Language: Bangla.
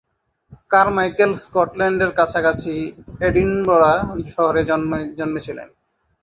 কারমাইকেল স্কটল্যান্ডের কাছাকাছি এডিনবরা শহরে জন্মেছিলেন।